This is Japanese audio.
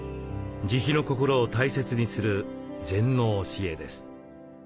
慈悲の心を大切にする禅の教えです。